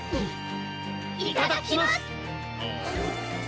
いただきます！